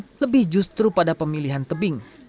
yang lebih justru pada pemilihan tebing